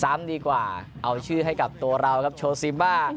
ดีกว่าเอาชื่อให้กับตัวเราครับโชซิมา